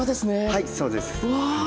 はいそうです。うわ。